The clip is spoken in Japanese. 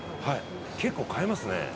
結構買えますね。